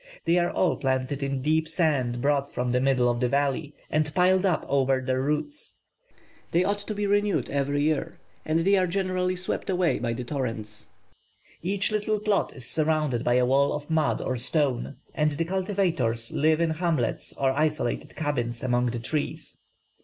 They are all planted in deep sand brought from the middle of the valley, and piled up over their roots; they ought to be renewed every year, and they are generally swept away by the torrents. Each little plot is surrounded by a wall of mud or stone, and the cultivators live in hamlets or isolated cabins among the trees.